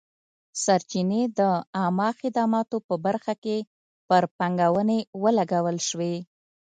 سرچینې د عامه خدماتو په برخه کې پر پانګونې ولګول شوې.